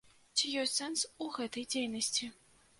Ці ёсць сэнс у гэтай дзейнасці?